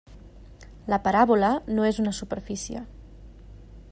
La paràbola no és una superfície.